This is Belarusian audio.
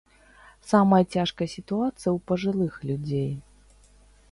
Самая цяжкая сітуацыя ў пажылых людзей.